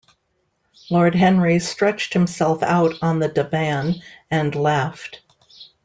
Lord Henry stretched himself out on the divan and laughed.